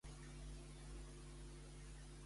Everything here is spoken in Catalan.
D'on procedeixen els Plaja?